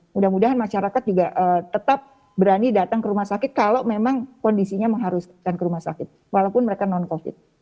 mudah mudahan masyarakat juga tetap berani datang ke rumah sakit kalau memang kondisinya mengharuskan ke rumah sakit walaupun mereka non covid